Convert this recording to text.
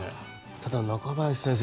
ただ中林先生